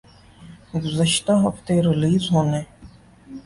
گزشتہ ہفتے ریلیز ہونے